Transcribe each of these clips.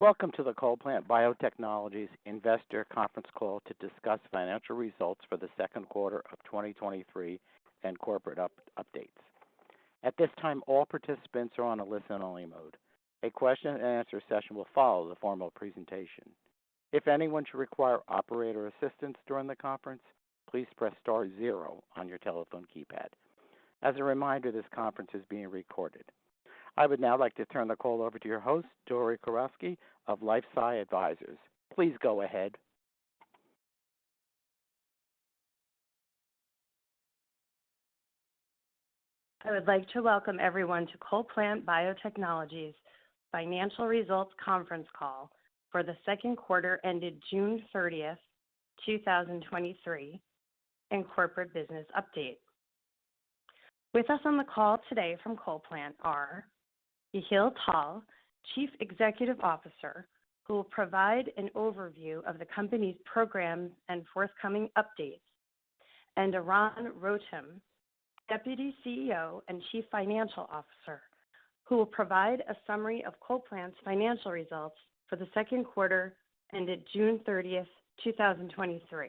Welcome to the CollPlant Biotechnologies Investor Conference Call to discuss financial results for the second quarter of 2023 and corporate updates. At this time, all participants are on a listen-only mode. A question-and-answer session will follow the formal presentation. If anyone should require operator assistance during the conference, please press star zero on your telephone keypad. As a reminder, this conference is being recorded. I would now like to turn the call over to your host, Dory Kurowski of LifeSci Advisors. Please go ahead. I would like to welcome everyone to CollPlant Biotechnologies Financial Results Conference Call for the second quarter ended June 30th, 2023, and corporate business update. With us on the call today from CollPlant are Yehiel Tal, Chief Executive Officer, who will provide an overview of the company's programs and forthcoming updates, and Eran Rotem, Deputy CEO and Chief Financial Officer, who will provide a summary of CollPlant's financial results for the second quarter ended June 30, 2023.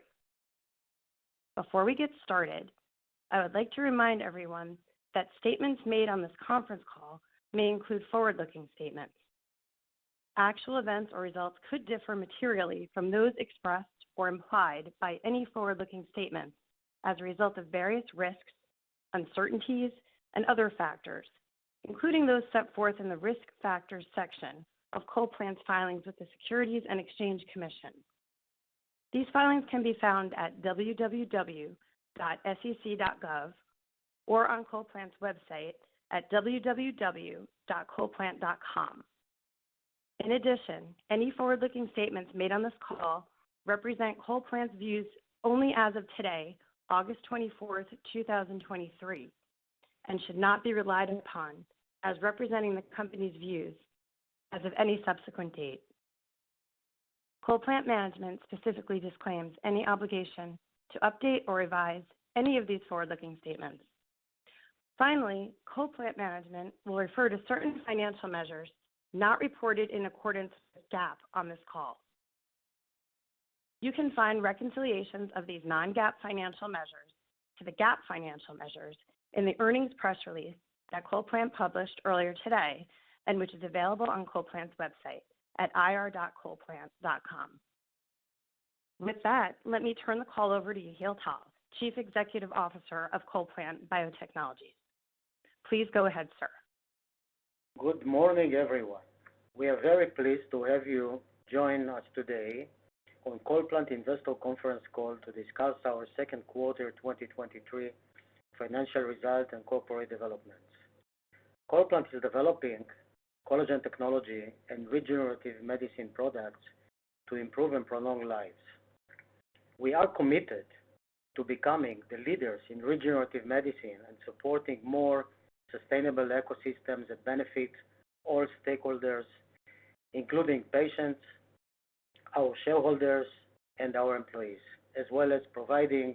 Before we get started, I would like to remind everyone that statements made on this conference call may include forward-looking statements. Actual events or results could differ materially from those expressed or implied by any forward-looking statements as a result of various risks, uncertainties, and other factors, including those set forth in the Risk Factors section of CollPlant's filings with the Securities and Exchange Commission. These filings can be found at www.sec.gov or on CollPlant's website at www.collplant.com. In addition, any forward-looking statements made on this call represent CollPlant's views only as of today, August 24th, 2023, and should not be relied upon as representing the Company's views as of any subsequent date. CollPlant management specifically disclaims any obligation to update or revise any of these forward-looking statements. Finally, CollPlant management will refer to certain financial measures not reported in accordance with GAAP on this call. You can find reconciliations of these non-GAAP financial measures to the GAAP financial measures in the earnings press release that CollPlant published earlier today, and which is available on CollPlant's website at ir.collplant.com. With that, let me turn the call over to Yehiel Tal, Chief Executive Officer of CollPlant Biotechnologies. Please go ahead, sir. Good morning, everyone. We are very pleased to have you join us today on CollPlant Investor Conference Call to discuss our second quarter 2023 financial results and corporate developments. CollPlant is developing collagen technology and regenerative medicine products to improve and prolong lives. We are committed to becoming the leaders in regenerative medicine and supporting more sustainable ecosystems that benefit all stakeholders, including patients, our shareholders, and our employees, as well as providing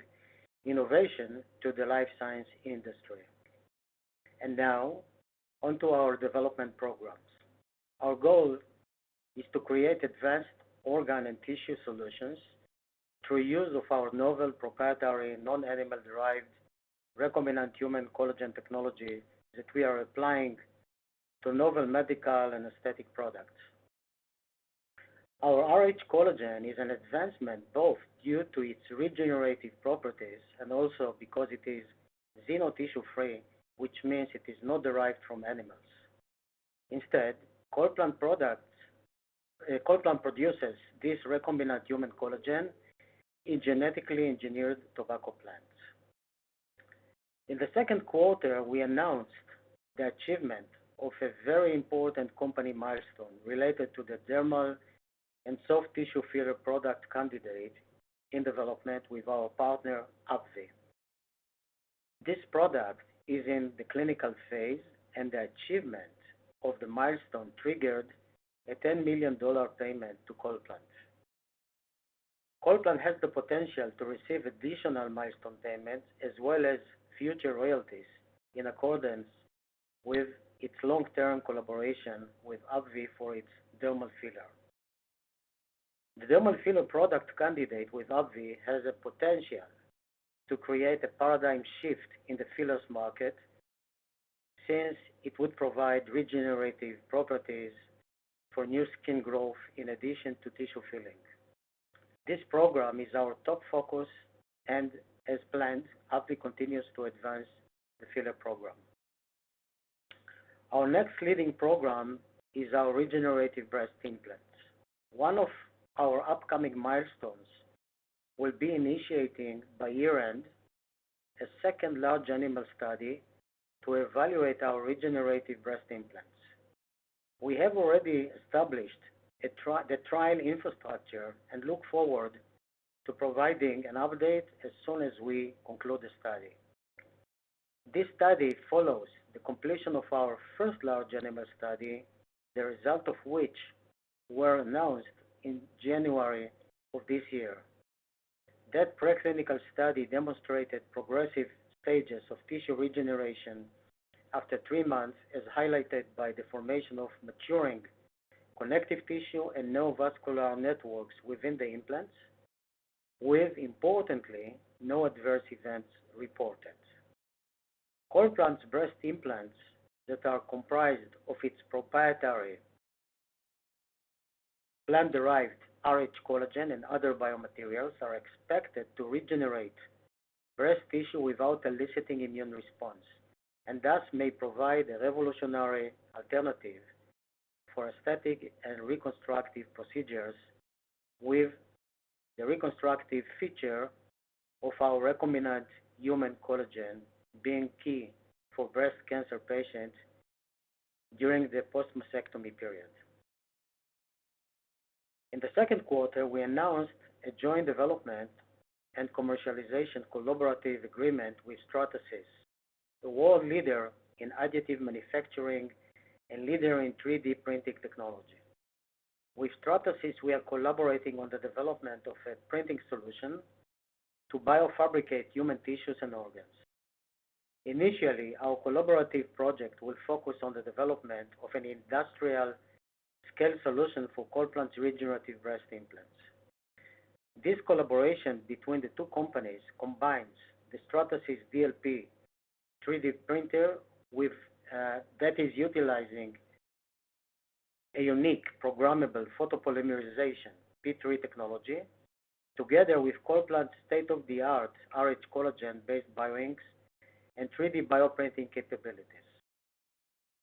innovation to the life science industry. Now, onto our development programs. Our goal is to create advanced organ and tissue solutions through use of our novel, proprietary, non-animal-derived recombinant human collagen technology that we are applying to novel medical and aesthetic products. Our rhCollagen is an advancement both due to its regenerative properties and also because it is xenotissue-free, which means it is not derived from animals. Instead, CollPlant products... CollPlant produces this recombinant human collagen in genetically engineered tobacco plants. In the second quarter, we announced the achievement of a very important company milestone related to the dermal and soft tissue filler product candidate in development with our partner, AbbVie. This product is in the clinical phase, and the achievement of the milestone triggered a $10 million payment to CollPlant. CollPlant has the potential to receive additional milestone payments as well as future royalties in accordance with its long-term collaboration with AbbVie for its dermal filler. The dermal filler product candidate with AbbVie has a potential to create a paradigm shift in the fillers market, since it would provide regenerative properties for new skin growth in addition to tissue filling. This program is our top focus, and as planned, AbbVie continues to advance the filler program. Our next leading program is our regenerative breast implants. One of our upcoming milestones will be initiating, by year-end, a second large animal study to evaluate our regenerative breast implants. We have already established the trial infrastructure and look forward to providing an update as soon as we conclude the study. This study follows the completion of our first large animal study, the result of which were announced in January of this year. That preclinical study demonstrated progressive stages of tissue regeneration after three months, as highlighted by the formation of maturing connective tissue and neovascular networks within the implants, with importantly, no adverse events reported. CollPlant's breast implants that are comprised of its proprietary plant-derived rhCollagen and other biomaterials, are expected to regenerate breast tissue without eliciting immune response, and thus may provide a revolutionary alternative for aesthetic and reconstructive procedures, with the reconstructive feature of our recombinant human collagen being key for breast cancer patients during the post-mastectomy period. In the second quarter, we announced a joint development and commercialization collaborative agreement with Stratasys, the world leader in additive manufacturing and leader in 3D printing technology. With Stratasys, we are collaborating on the development of a printing solution to biofabricate human tissues and organs. Initially, our collaborative project will focus on the development of an industrial scale solution for CollPlant's regenerative breast implants. This collaboration between the two companies combines the Stratasys DLP 3D printer with, that is utilizing a unique programmable photopolymerization P3 technology, together with CollPlant's state-of-the-art rhCollagen-based bioinks and 3D bioprinting capabilities.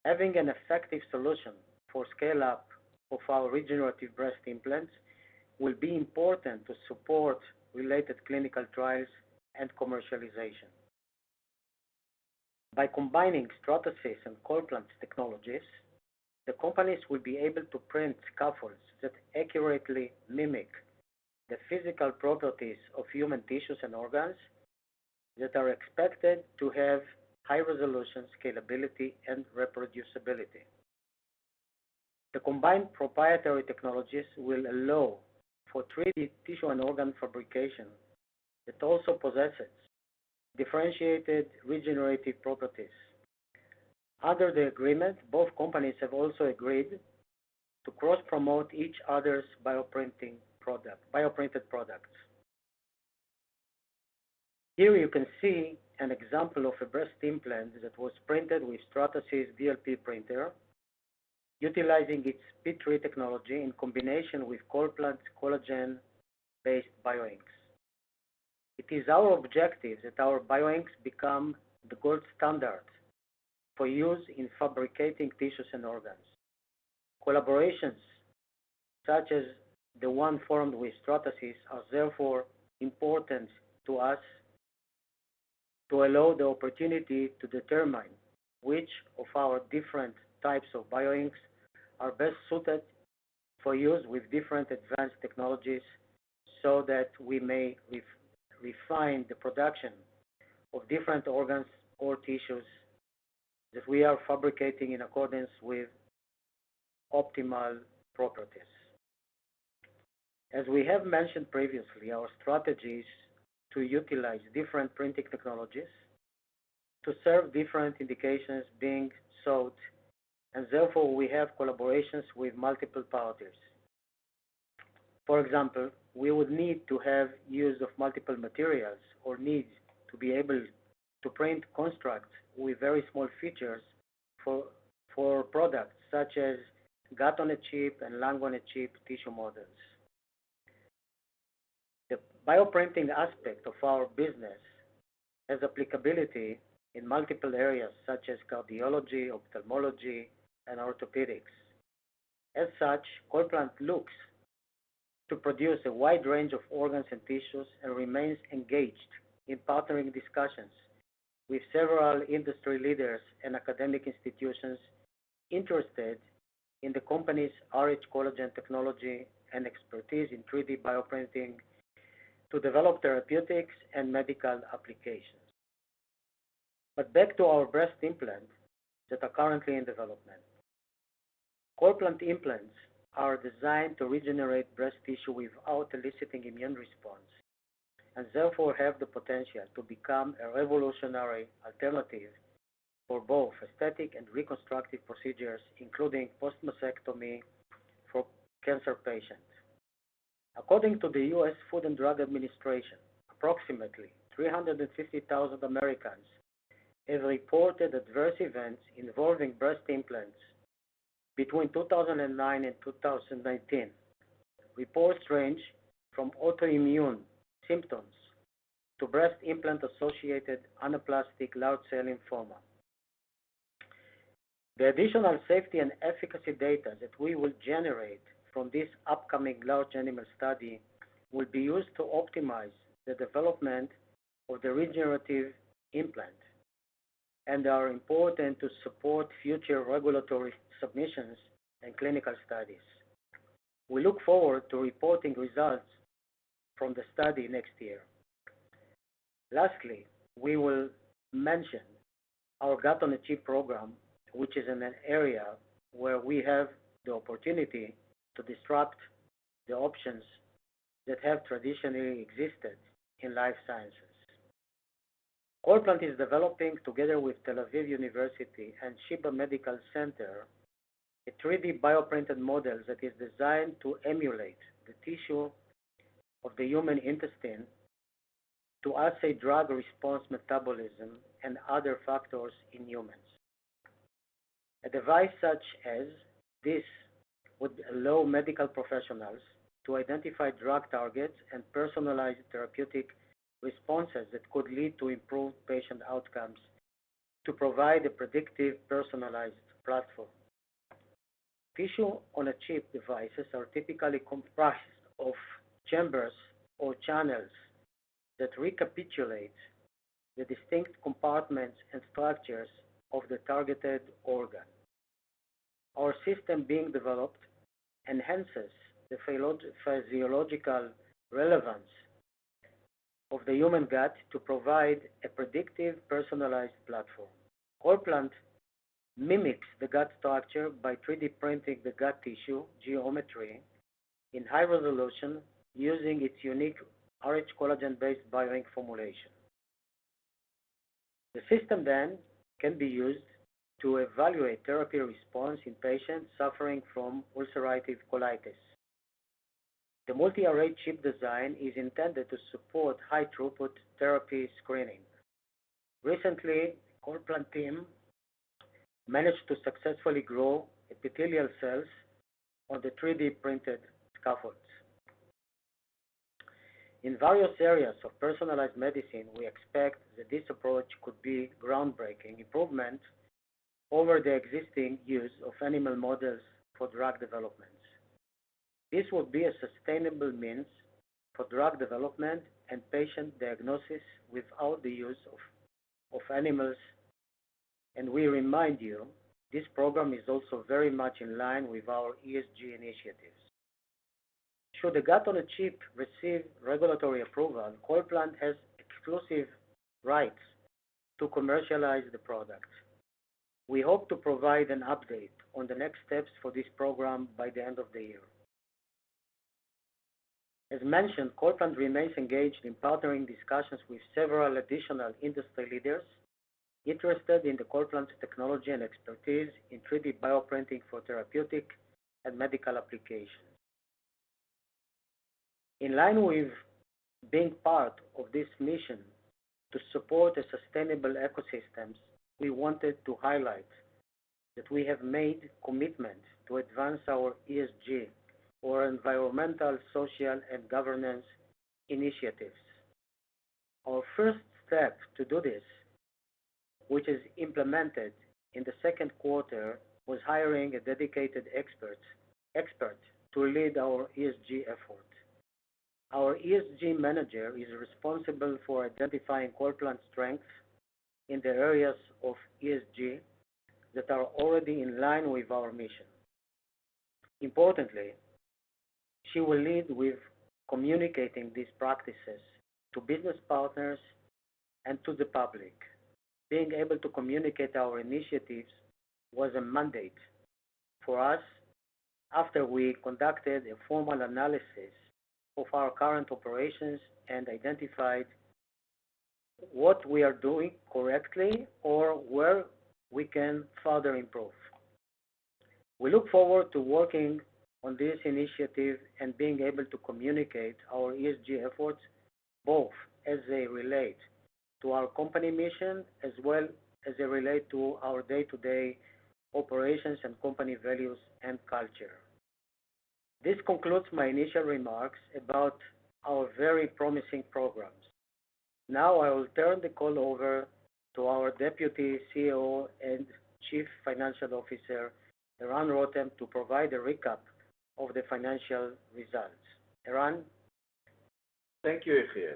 Having an effective solution for scale-up of our regenerative breast implants will be important to support related clinical trials and commercialization. By combining Stratasys and CollPlant's technologies, the companies will be able to print scaffolds that accurately mimic the physical properties of human tissues and organs, that are expected to have high resolution, scalability, and reproducibility. The combined proprietary technologies will allow for 3D tissue and organ fabrication. It also possesses differentiated regenerative properties. Under the agreement, both companies have also agreed to cross-promote each other's bioprinting product, bioprinted products. Here you can see an example of a breast implant that was printed with Stratasys DLP printer, utilizing its P3 technology in combination with CollPlant's collagen-based bioinks. It is our objective that our bioinks become the gold standard for use in fabricating tissues and organs. Collaborations such as the one formed with Stratasys, are therefore important to us to allow the opportunity to determine which of our different types of bioinks are best suited for use with different advanced technologies, so that we may refine the production of different organs or tissues that we are fabricating in accordance with optimal properties. As we have mentioned previously, our strategy is to utilize different printing technologies to serve different indications being sought, and therefore we have collaborations with multiple parties. For example, we would need to have use of multiple materials, or need to be able to print constructs with very small features for products such as Gut-on-a-Chip and Lung-on-a-Chip tissue models. The bioprinting aspect of our business has applicability in multiple areas such as cardiology, ophthalmology, and orthopedics. As such, CollPlant looks to produce a wide range of organs and tissues, and remains engaged in partnering discussions with several industry leaders and academic institutions interested in the company's rhCollagen technology and expertise in 3D bioprinting to develop therapeutics and medical applications. Back to our breast implant that are currently in development. CollPlant implants are designed to regenerate breast tissue without eliciting immune response, and therefore have the potential to become a revolutionary alternative for both aesthetic and reconstructive procedures, including post-mastectomy for cancer patients. According to the U.S. Food and Drug Administration, approximately 350,000 Americans have reported adverse events involving breast implants between 2009 and 2019. Reports range from autoimmune symptoms to breast implant-associated anaplastic large cell lymphoma. The additional safety and efficacy data that we will generate from this upcoming large animal study, will be used to optimize the development of the regenerative implant, and are important to support future regulatory submissions and clinical studies. We look forward to reporting results from the study next year.... Lastly, we will mention our Gut-on-a-Chip program, which is in an area where we have the opportunity to disrupt the options that have traditionally existed in life sciences. CollPlant is developing, together with Tel Aviv University and Sheba Medical Center, a 3D bioprinted model that is designed to emulate the tissue of the human intestine to assay drug response metabolism and other factors in humans. A device such as this would allow medical professionals to identify drug targets and personalize therapeutic responses that could lead to improved patient outcomes to provide a predictive, personalized platform. Tissue-on-a-chip devices are typically comprised of chambers or channels that recapitulate the distinct compartments and structures of the targeted organ. Our system being developed enhances the physiological relevance of the human gut to provide a predictive, personalized platform. CollPlant mimics the gut structure by 3D printing the gut tissue geometry in high resolution using its unique rhCollagen-based BioInk formulation. The system then can be used to evaluate therapy response in patients suffering from ulcerative colitis. The multi-array chip design is intended to support high-throughput therapy screening. Recently, CollPlant team managed to successfully grow epithelial cells on the 3D printed scaffolds. In various areas of personalized medicine, we expect that this approach could be groundbreaking improvement over the existing use of animal models for drug developments. This will be a sustainable means for drug development and patient diagnosis without the use of animals, and we remind you, this program is also very much in line with our ESG initiatives. Should the Gut-on-a-Chip receive regulatory approval, CollPlant has exclusive rights to commercialize the product. We hope to provide an update on the next steps for this program by the end of the year. As mentioned, CollPlant remains engaged in partnering discussions with several additional industry leaders interested in the CollPlant's technology and expertise in 3D bioprinting for therapeutic and medical applications. In line with being part of this mission to support a sustainable ecosystem, we wanted to highlight that we have made commitments to advance our ESG or environmental, social, and governance initiatives. Our first step to do this, which is implemented in the second quarter, was hiring a dedicated expert to lead our ESG effort. Our ESG manager is responsible for identifying CollPlant's strengths in the areas of ESG that are already in line with our mission. Importantly, she will lead with communicating these practices to business partners and to the public. Being able to communicate our initiatives was a mandate for us after we conducted a formal analysis of our current operations and identified what we are doing correctly or where we can further improve. We look forward to working on this initiative and being able to communicate our ESG efforts, both as they relate to our company mission, as well as they relate to our day-to-day operations and company values and culture. This concludes my initial remarks about our very promising programs. Now, I will turn the call over to our Deputy CEO and Chief Financial Officer, Eran Rotem, to provide a recap of the financial results. Eran? Thank you, Yehiel.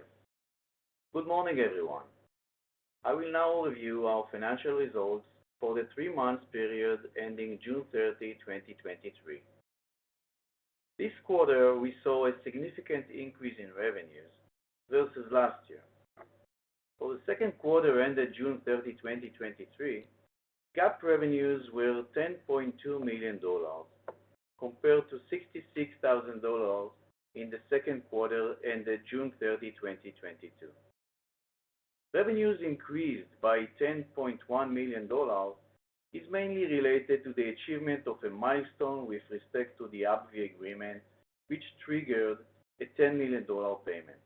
Good morning, everyone. I will now review our financial results for the three-month period ending June 30, 2023. This quarter, we saw a significant increase in revenues versus last year. For the second quarter ended June 30, 2023, GAAP revenues were $10.2 million, compared to $66,000 in the second quarter ended June 30, 2022. Revenues increased by $10.1 million, is mainly related to the achievement of a milestone with respect to the AbbVie agreement, which triggered a $10 million payment.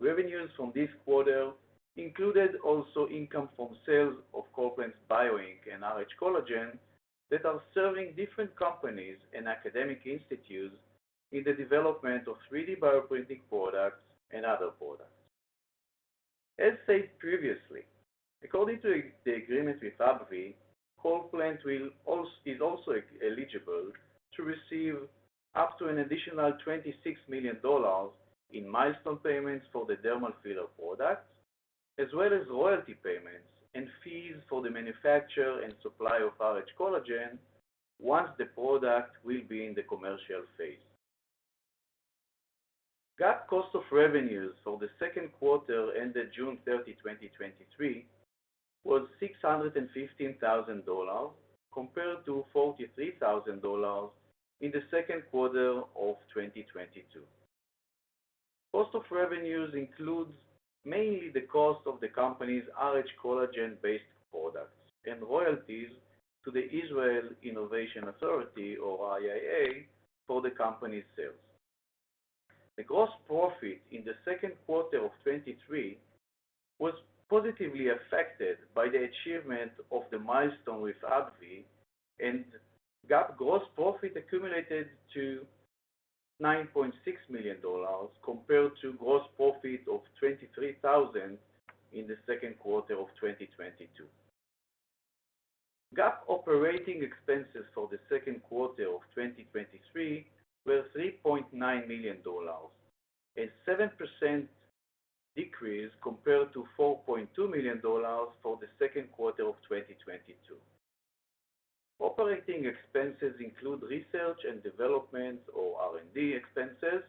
Revenues from this quarter included also income from sales of CollPlant's BioInk and rhCollagen that are serving different companies and academic institutes in the development of 3D bioprinting products and other products. As said previously, according to the agreement with AbbVie, CollPlant is also eligible to receive up to an additional $26 million in milestone payments for the dermal filler product, as well as royalty payments and fees for the manufacture and supply of rhCollagen, once the product will be in the commercial phase. GAAP cost of revenues for the second quarter ended June 30, 2023, was $615,000, compared to $43,000 in the second quarter of 2022. Cost of revenues includes mainly the cost of the company's rhCollagen-based products and royalties to the Israel Innovation Authority, or IIA, for the company's sales. The gross profit in the second quarter of 2023 was positively affected by the achievement of the milestone with AbbVie, and GAAP gross profit accumulated to $9.6 million, compared to gross profit of $23,000 in the second quarter of 2022. GAAP operating expenses for the second quarter of 2023 were $3.9 million, a 7% decrease compared to $4.2 million for the second quarter of 2022. Operating expenses include research and development, or R&D expenses,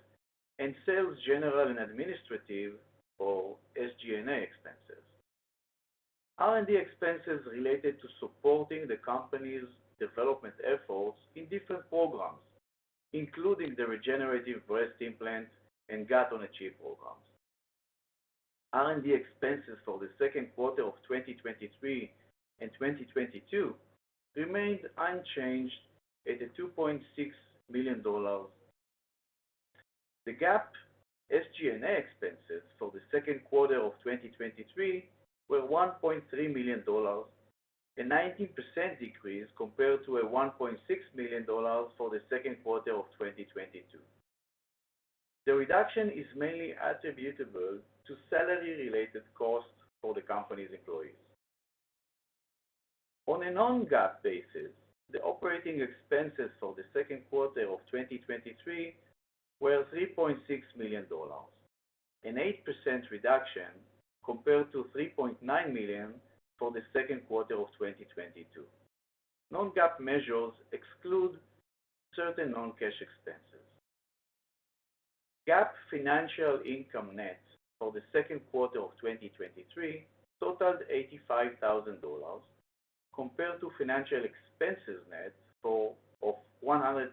and sales, general, and administrative, or SG&A expenses. R&D expenses related to supporting the company's development efforts in different programs, including the regenerative breast implant and Gut-on-a-Chip programs. R&D expenses for the second quarter of 2023 and 2022 remained unchanged at $2.6 million. The GAAP SG&A expenses for the second quarter of 2023 were $1.3 million, a 19% decrease compared to $1.6 million for the second quarter of 2022. The reduction is mainly attributable to salary-related costs for the company's employees. On a non-GAAP basis, the operating expenses for the second quarter of 2023 were $3.6 million, an 8% reduction compared to $3.9 million for the second quarter of 2022. Non-GAAP measures exclude certain non-cash expenses. GAAP financial income net for the second quarter of 2023 totaled $85,000, compared to financial expenses net for, of $100,000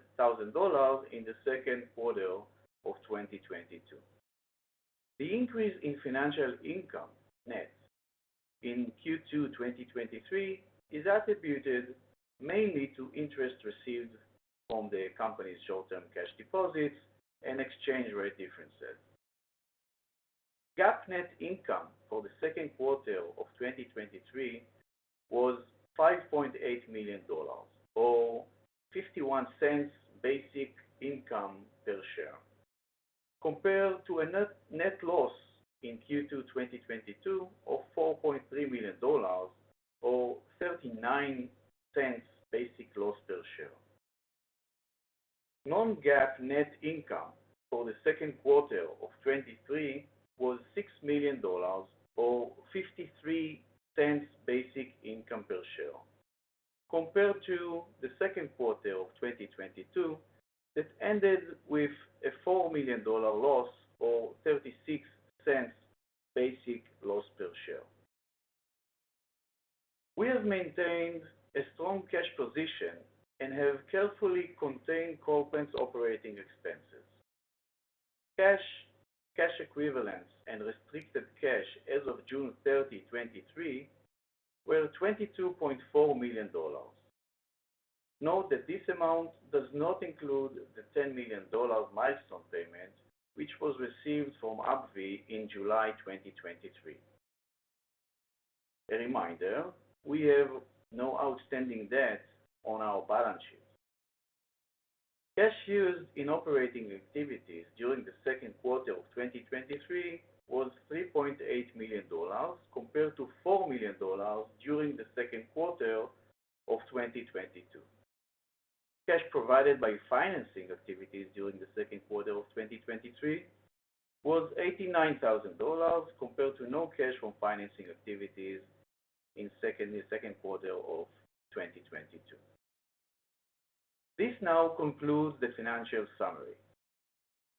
in the second quarter of 2022. The increase in financial income net in Q2 2023 is attributed mainly to interest received from the company's short-term cash deposits and exchange rate differences. GAAP net income for the second quarter of 2023 was $5.8 million, or $0.51 basic income per share, compared to a net loss in Q2 2022 of $4.3 million, or $0.39 basic loss per share. Non-GAAP net income for the second quarter of 2023 was $6 million, or $0.53 basic income per share, compared to the second quarter of 2022, that ended with a $4 million loss, or $0.36 basic loss per share. We have maintained a strong cash position and have carefully contained corporate's operating expenses. Cash, cash equivalents, and restricted cash as of June 30, 2023, were $22.4 million. Note that this amount does not include the $10 million milestone payment, which was received from AbbVie in July 2023. A reminder, we have no outstanding debt on our balance sheet. Cash used in operating activities during the second quarter of 2023 was $3.8 million, compared to $4 million during the second quarter of 2022. Cash provided by financing activities during the second quarter of 2023 was $89,000, compared to no cash from financing activities in the second quarter of 2022. This now concludes the financial summary.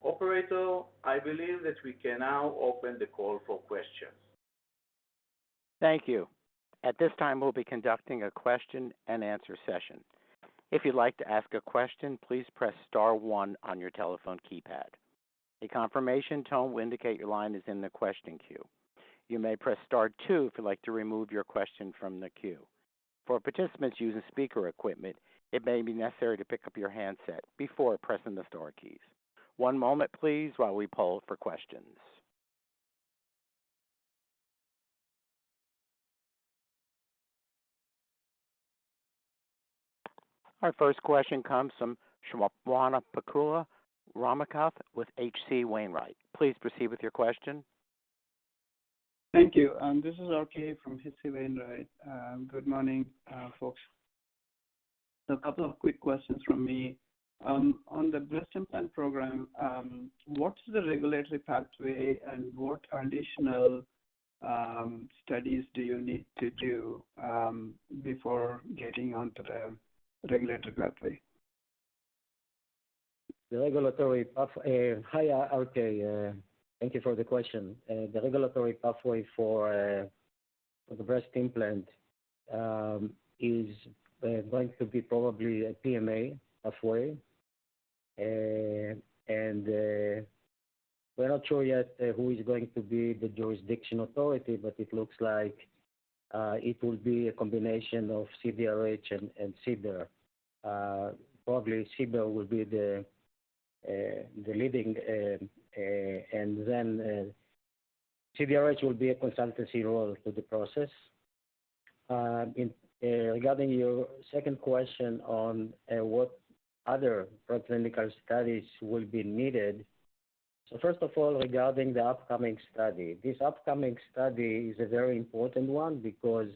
Operator, I believe that we can now open the call for questions. Thank you. At this time, we'll be conducting a question-and-answer session. If you'd like to ask a question, please press star one on your telephone keypad. A confirmation tone will indicate your line is in the question queue. You may press star two if you'd like to remove your question from the queue. For participants using speaker equipment, it may be necessary to pick up your handset before pressing the star keys. One moment, please, while we poll for questions. Our first question comes from Swayampakula Ramakanth with HC Wainwright. Please proceed with your question. Thank you. This is RK from H.C. Wainwright. Good morning, folks. A couple of quick questions from me. On the breast implant program, what's the regulatory pathway, and what additional studies do you need to do before getting onto the regulatory pathway? The regulatory path, hi, RK, thank you for the question. The regulatory pathway for the breast implant is going to be probably a PMA pathway. We're not sure yet who is going to be the jurisdiction authority, but it looks like it will be a combination of CDRH and CBER. Probably CBER will be the leading, and then CDRH will be a consultancy role to the process. In regard to your second question on what other preclinical studies will be needed. So first of all, regarding the upcoming study, this upcoming study is a very important one because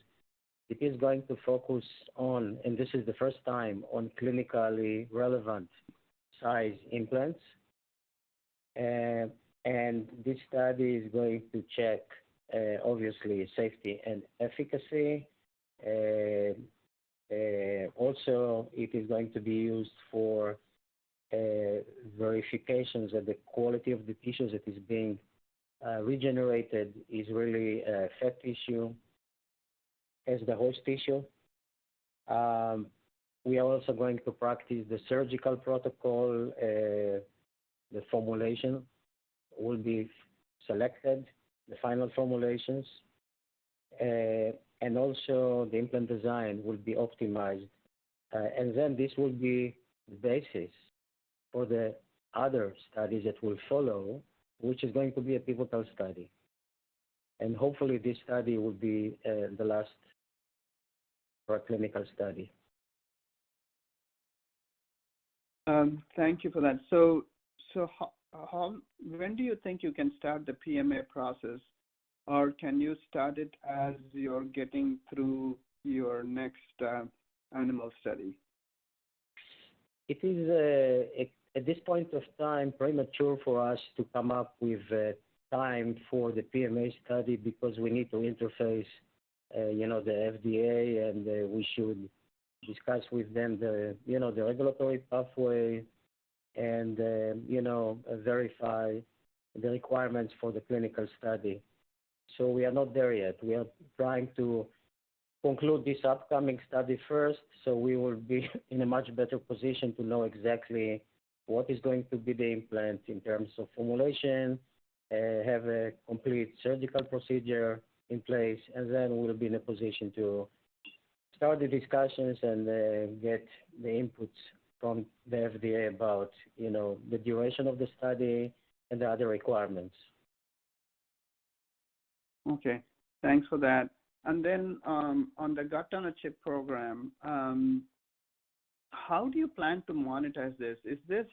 it is going to focus on, and this is the first time, on clinically relevant size implants. This study is going to check, obviously, safety and efficacy. Also, it is going to be used for verifications of the quality of the tissues that is being regenerated is really fat tissue as the host tissue. We are also going to practice the surgical protocol. The formulation will be selected, the final formulations, and also the implant design will be optimized. Then this will be the basis for the other studies that will follow, which is going to be a pivotal study. Hopefully, this study will be the last preclinical study. Thank you for that. So, how, when do you think you can start the PMA process, or can you start it as you're getting through your next animal study? It is, at this point of time, premature for us to come up with a time for the PMA study because we need to interface you know the FDA, and we should discuss with them the you know the regulatory pathway and you know verify the requirements for the clinical study. So we are not there yet. We are trying to conclude this upcoming study first, so we will be in a much better position to know exactly what is going to be the implant in terms of formulation, have a complete surgical procedure in place, and then we'll be in a position to start the discussions and get the inputs from the FDA about you know the duration of the study and the other requirements. Okay, thanks for that. And then, on the Gut-on-a-Chip program, how do you plan to monetize this? Is this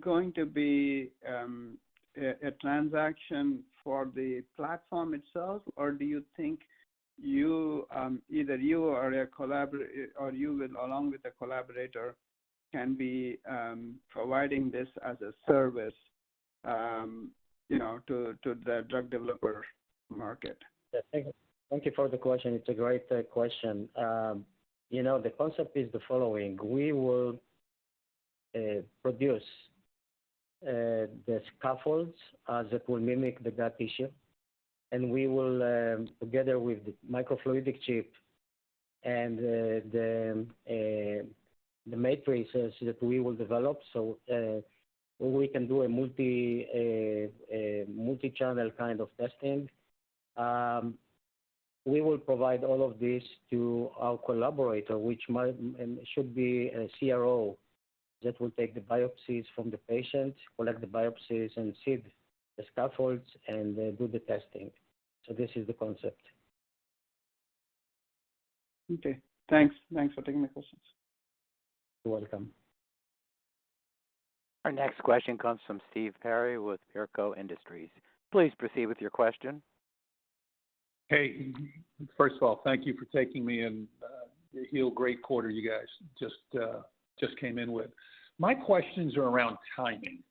going to be a transaction for the platform itself, or do you think you either you or a collaborator or you with, along with a collaborator, can be providing this as a service, you know, to the drug developer market? Yeah. Thank you for the question. It's a great question. You know, the concept is the following: we will produce the scaffolds that will mimic the gut tissue, and we will, together with the microfluidic chip and the matrices that we will develop, so we can do a multi-channel kind of testing. We will provide all of this to our collaborator, which might and should be a CRO, that will take the biopsies from the patient, collect the biopsies, and seed the scaffolds and do the testing. So this is the concept. Okay, thanks. Thanks for taking my questions. You're welcome. Our next question comes from Steve Perry with Perco Industries. Please proceed with your question. Hey, first of all, thank you for taking me and Yael, great quarter you guys just came in with. My questions are around timing.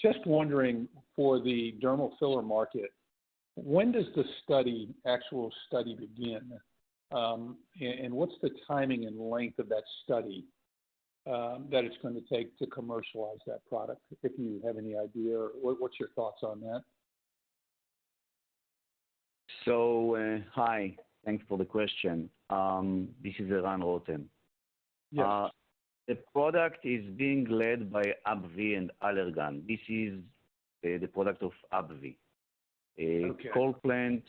Just wondering, for the dermal filler market, when does the study, actual study begin? And, and what's the timing and length of that study, that it's going to take to commercialize that product? If you have any idea, what's your thoughts on that? Hi, thanks for the question. This is Eran Rotem. Yes. The product is being led by AbbVie and Allergan. This is the product of AbbVie. Okay. CollPlant,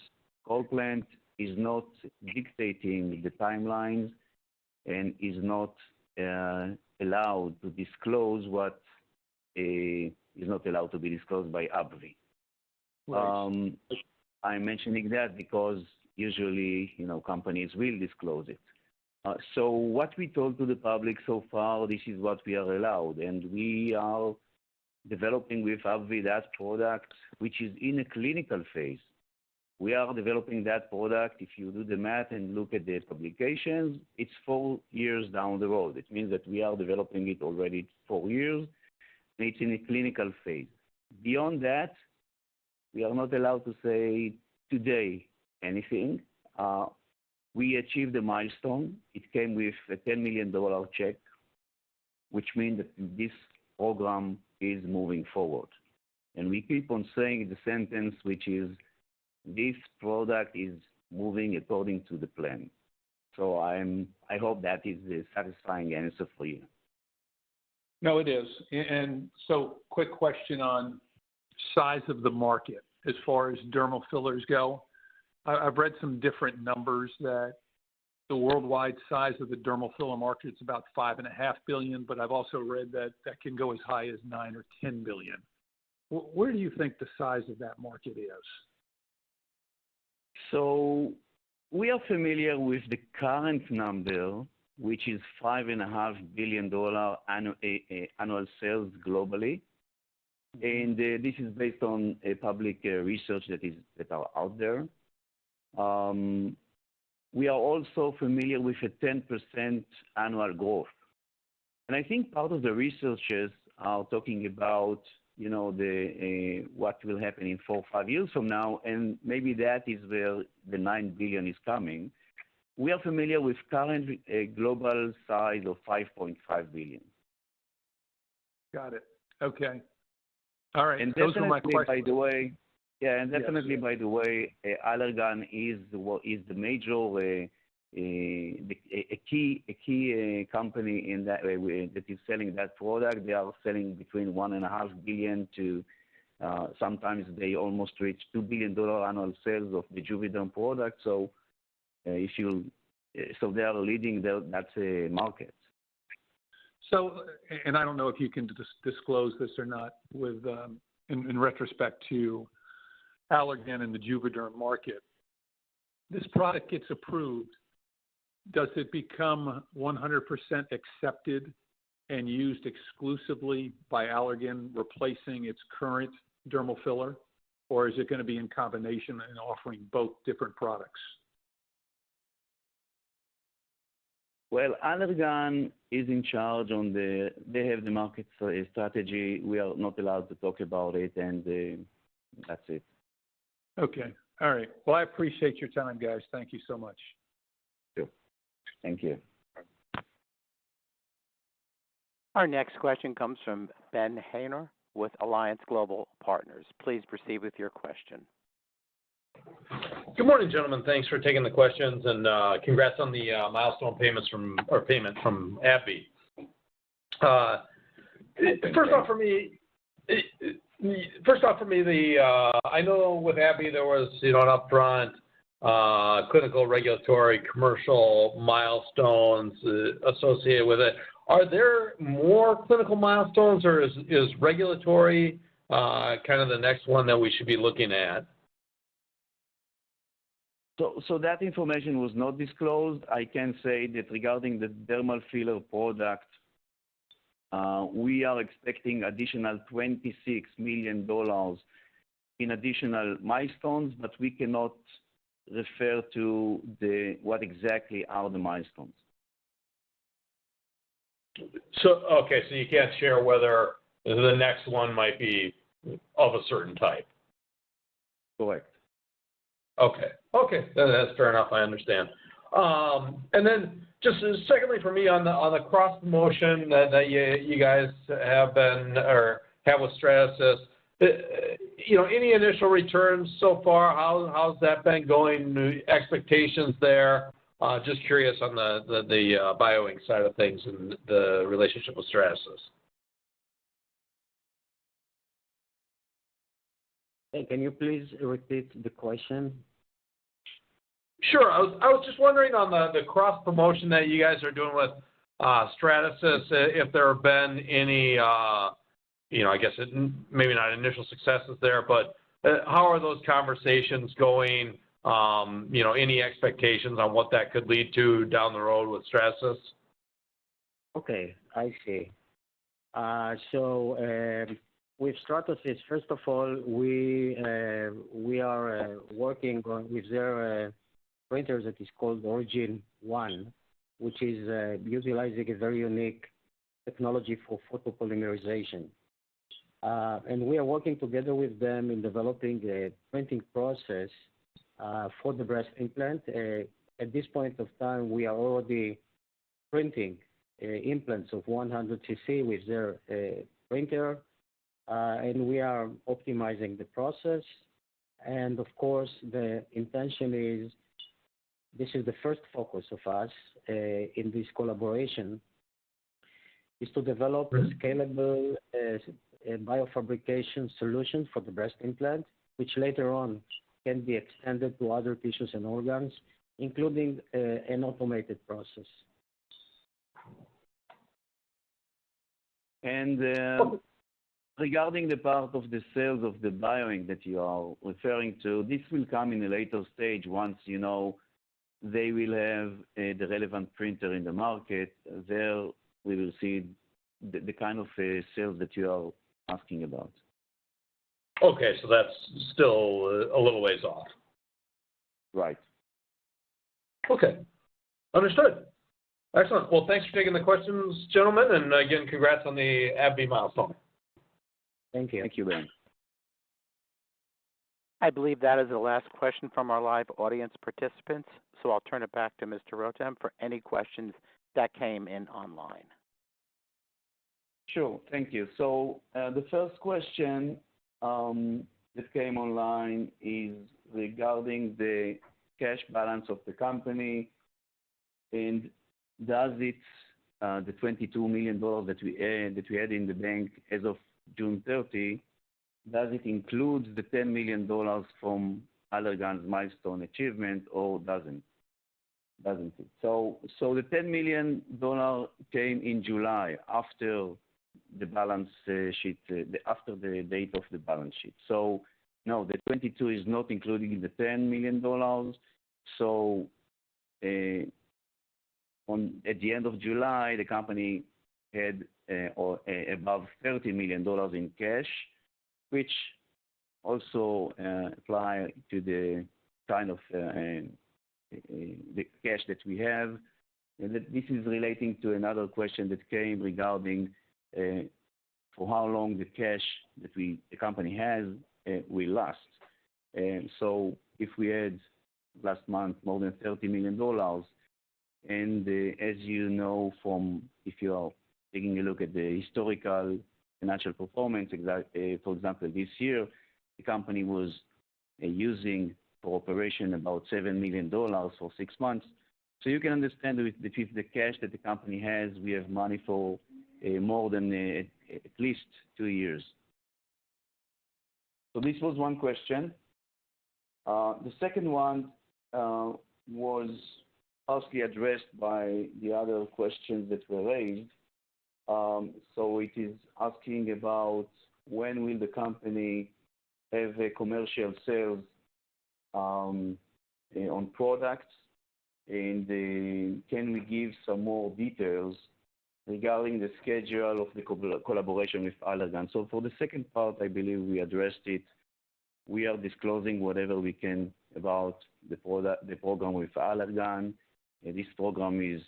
CollPlant is not dictating the timelines and is not allowed to disclose what is not allowed to be disclosed by AbbVie. Right. I'm mentioning that because usually, you know, companies will disclose it. So what we told to the public so far, this is what we are allowed, and we are developing with AbbVie that product, which is in a clinical phase.... We are developing that product. If you do the math and look at the publications, it's four years down the road. It means that we are developing it already four years, and it's in a clinical phase. Beyond that, we are not allowed to say today anything. We achieved a milestone. It came with a $10 million check, which means that this program is moving forward. And we keep on saying the sentence, which is, "This product is moving according to the plan." So, I hope that is a satisfying answer for you. No, it is. So quick question on size of the market as far as dermal fillers go. I've read some different numbers, that the worldwide size of the dermal filler market is about $5.5 billion, but I've also read that that can go as high as $9 billion or $10 billion. Where do you think the size of that market is? So we are familiar with the current number, which is $5.5 billion annual sales globally. And this is based on a public research that are out there. We are also familiar with a 10% annual growth. And I think part of the researches are talking about, you know, the what will happen in four or five years from now, and maybe that is where the $9 billion is coming. We are familiar with currently a global size of $5.5 billion. Got it. Okay. All right. Those are my questions. And definitely, by the way, Allergan is a key company in that way that is selling that product. They are selling between $1.5 billion to sometimes they almost reach $2 billion annual sales of the Juvéderm product. So, they are leading that market. I don't know if you can disclose this or not, with respect to Allergan and the Juvéderm market. This product gets approved, does it become 100% accepted and used exclusively by Allergan, replacing its current dermal filler? Or is it going to be in combination and offering both different products? Well, Allergan is in charge on the. They have the market strategy. We are not allowed to talk about it, and that's it. Okay. All right. Well, I appreciate your time, guys. Thank you so much. Thank you. Our next question comes from Ben Haynor with Alliance Global Partners. Please proceed with your question. Good morning, gentlemen. Thanks for taking the questions, and, congrats on the, milestone payments from, or payment from AbbVie. First off, for me, the, I know with AbbVie there was, you know, an upfront, clinical, regulatory, commercial milestones associated with it. Are there more clinical milestones, or is, regulatory, kind of the next one that we should be looking at? That information was not disclosed. I can say that regarding the dermal filler product, we are expecting additional $26 million in additional milestones, but we cannot refer to the... what exactly are the milestones. So, okay, so you can't share whether the next one might be of a certain type? Correct. Okay. Okay, then that's fair enough. I understand. And then, just secondly for me on the, on the cross-motion that, that you, you guys have been or have with Stratasys, you know, any initial returns so far? How, how's that been going? The expectations there? Just curious on the, the, the, BioInk side of things and the, the relationship with Stratasys. Hey, can you please repeat the question? Sure. I was, I was just wondering on the cross-promotion that you guys are doing with Stratasys, if there have been any, you know, I guess maybe not initial successes there, but how are those conversations going? You know, any expectations on what that could lead to down the road with Stratasys? Okay, I see. So, with Stratasys, first of all, we, we are working on with their printer that is called Origin One, which is utilizing a very unique technology for photopolymerization. And we are working together with them in developing a printing process for the breast implant. At this point of time, we are already printing implants of 100 cc with their printer. And we are optimizing the process. And of course, the intention is, this is the first focus of us in this collaboration, is to develop a scalable biofabrication solution for the breast implant, which later on can be extended to other tissues and organs, including an automated process. Regarding the part of the sales of the BioInk that you are referring to, this will come in a later stage, once, you know- ... they will have the relevant printer in the market. There, we will see the, the kind of sales that you are asking about. Okay, so that's still a little ways off? Right. Okay. Understood. Excellent. Well, thanks for taking the questions, gentlemen, and, again, congrats on the AbbVie milestone. Thank you. Thank you, Ben. I believe that is the last question from our live audience participants, so I'll turn it back to Mr. Rotem for any questions that came in online. Sure. Thank you. So, the first question that came online is regarding the cash balance of the company, and does it, the $22 million that we had in the bank as of June 30, does it include the $10 million from Allergan's milestone achievement or doesn't it? So, the $10 million came in July after the balance sheet, after the date of the balance sheet. So no, the 22 is not including the $10 million. So, at the end of July, the company had, or, above $30 million in cash, which also apply to the kind of, the cash that we have. And this is relating to another question that came regarding, for how long the cash that we, the company has, will last. And so if we had last month more than $30 million, and as you know, if you are taking a look at the historical financial performance, for example, this year, the company was using for operation about $7 million for six months. So you can understand with the cash that the company has, we have money for more than at least two years. So this was one question. The second one was partially addressed by the other questions that were raised. So it is asking about when will the company have a commercial sales on products, and can we give some more details regarding the schedule of the collaboration with Allergan? So for the second part, I believe we addressed it. We are disclosing whatever we can about the product, the program with Allergan. This program is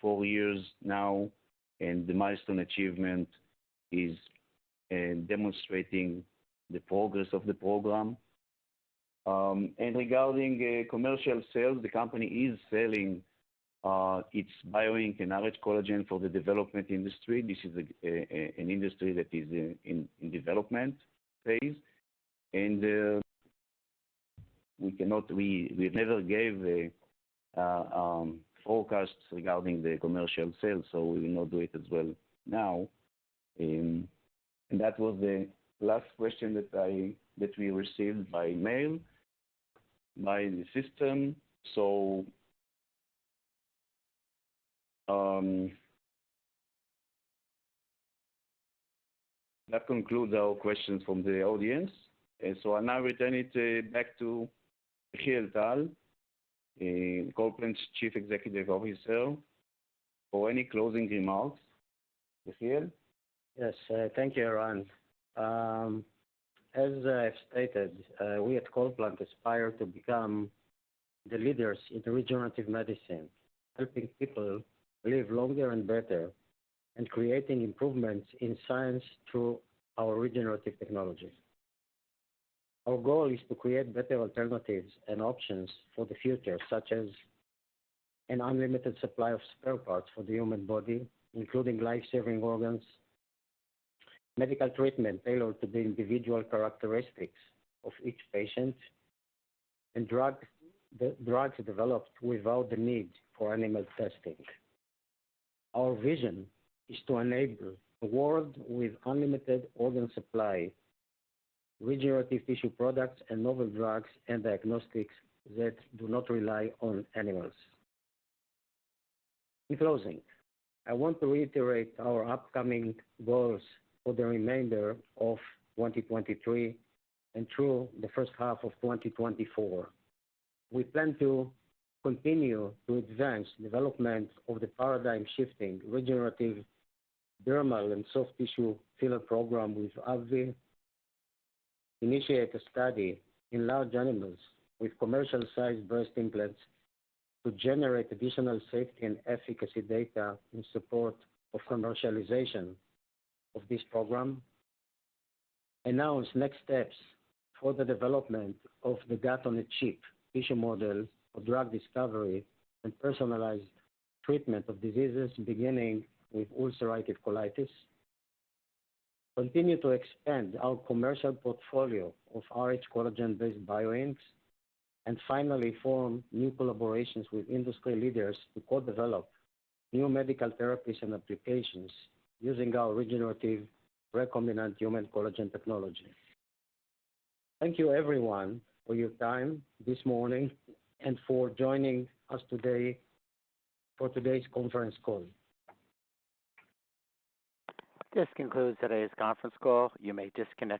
four years now, and the milestone achievement is demonstrating the progress of the program. And regarding commercial sales, the company is selling its BioInk and rhCollagen for the development industry. This is an industry that is in development phase, and we cannot -- we never gave a forecast regarding the commercial sales, so we will not do it as well now. And that was the last question that we received by mail, by the system. So that concludes our questions from the audience. And so I now return it back to Yehiel Tal, CollPlant's Chief Executive Officer, for any closing remarks. Yehiel? Yes, thank you, Eran. As I've stated, we at CollPlant aspire to become the leaders in regenerative medicine, helping people live longer and better, and creating improvements in science through our regenerative technologies. Our goal is to create better alternatives and options for the future, such as an unlimited supply of spare parts for the human body, including life-saving organs, medical treatment tailored to the individual characteristics of each patient, and drugs, drugs developed without the need for animal testing. Our vision is to enable a world with unlimited organ supply, regenerative tissue products, and novel drugs and diagnostics that do not rely on animals. In closing, I want to reiterate our upcoming goals for the remainder of 2023 and through the first half of 2024. We plan to continue to advance development of the paradigm-shifting regenerative dermal and soft tissue filler program with AbbVie, initiate a study in large animals with commercial-sized breast implants to generate additional safety and efficacy data in support of commercialization of this program, announce next steps for the development of the Gut-on-a-Chip tissue model for drug discovery and personalized treatment of diseases, beginning with ulcerative colitis, continue to expand our commercial portfolio of rhCollagen-based bioinks, and finally, form new collaborations with industry leaders to co-develop new medical therapies and applications using our regenerative recombinant human collagen technology. Thank you, everyone, for your time this morning and for joining us today for today's conference call. This concludes today's conference call. You may disconnect your-